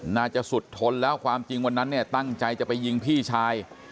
น่าจะสุดทนแล้วความจริงวันนั้นเนี่ยตั้งใจจะไปยิงพี่ชาย